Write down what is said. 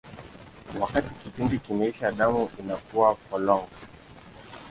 Wakati kipindi kimeisha, damu inakuwa polong.